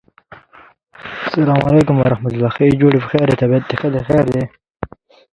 It contains tropical or subtropical woody plants.